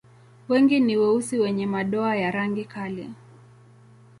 Wengi ni weusi wenye madoa ya rangi kali.